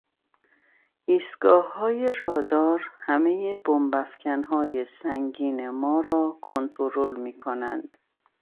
ایستگاههای رادار همهی بمب افکنهای سنگین ما را کنترل میکنند.